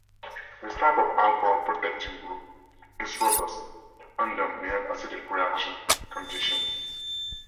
This type of alcohol protecting group is robust under mild acidic reaction conditions.